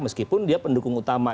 meskipun dia pendukung utama